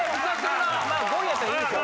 ５位やったらいいでしょ。